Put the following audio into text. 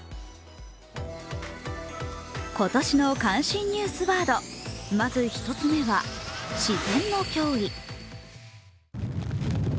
今年の関心ニューワード、まず１つ目は自然の脅威。